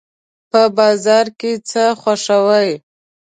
په بازار کې څه خوښوئ؟